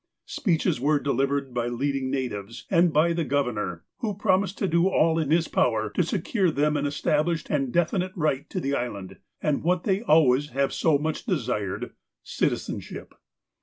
Speeches were delivered by leading natives, and by the Governor, who promised to do all in his power to se cure them an established and definite right to the Island, and what they always have so much desired, citizenship.